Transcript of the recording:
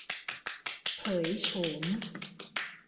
เผยโฉม